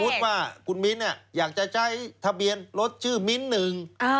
ว่าคุณมิ้นท์อยากจะใช้ทะเบียนรถชื่อมิ้นหนึ่ง